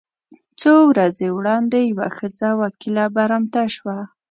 څو ورځې وړاندې یوه ښځه وکیله برمته شوه.